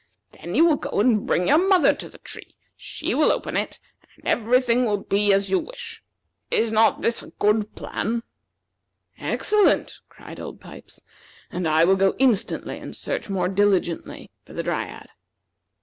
Then you will go and bring your mother to the tree; she will open it, and every thing will be as you wish. Is not this a good plan?" "Excellent!" cried Old Pipes; "and I will go instantly and search more diligently for the Dryad."